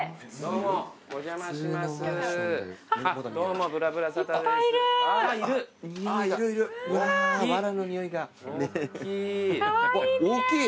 ・うわ大きい！